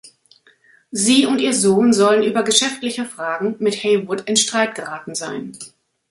Sie und ihr Sohn sollen über geschäftliche Fragen mit Heywood in Streit geraten sein.